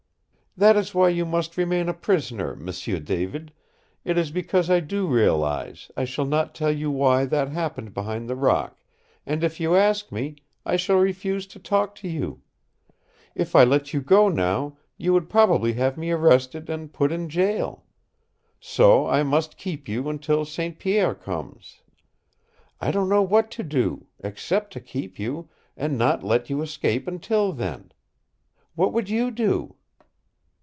"That is why you must remain a prisoner, M'sieu David, It is because I do realize, I shall not tell you why that happened behind the rock, and if you ask me, I shall refuse to talk to you. If I let you go now, you would probably have me arrested and put in jail. So I must keep you until St. Pierre comes. I don't know what to do except to keep you, and not let you escape until then. What would you do?"